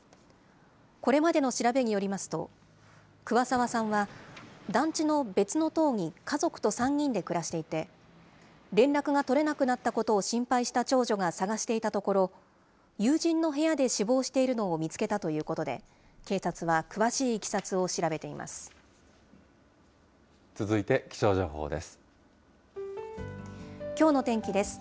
これまでの調べによりますと、桑沢さんは団地の別の棟に家族と３人で暮らしていて、連絡が取れなくなったことを心配した長女が捜していたところ、友人の部屋で死亡しているのを見つけたということで、警察は詳しい続いて気象情報です。